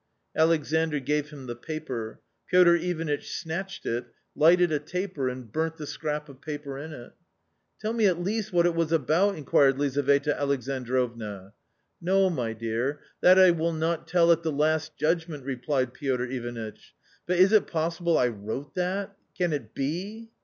Alexandr gave him the paper. Piotr Ivanitch snatched it, lighted a taper and burnt the scrap of paper in it. " Tell me at least what it was about ?" inquired Lizaveta Alexandrovna. " No, my dear, that I will not tell at the Last Judgment," replied Piotr Ivanitch ;" but is it possible I wrote that ? can it be?"